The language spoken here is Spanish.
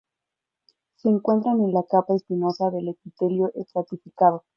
Se encuentran en la capa espinosa del epitelio estratificado.